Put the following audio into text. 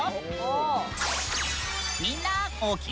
みんな！